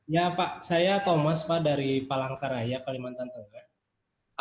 iya pak saya thomas pak dari palangkaraya kalimantan tenggara